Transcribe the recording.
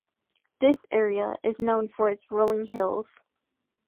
This area is known for its rolling hills.